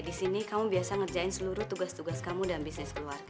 ya disini kamu biasa ngerjain seluruh tugas tugas kamu dan bisnis keluarga